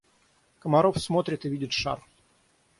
Комаров смотрит и видит шар.